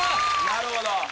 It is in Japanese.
なるほど。